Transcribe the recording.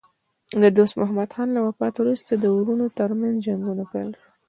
د دوست محمد خان له وفات وروسته د وروڼو ترمنځ جنګونه پیل شول.